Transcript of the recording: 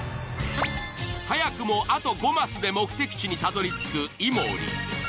早くもあと５マスで目的地にたどり着く井森。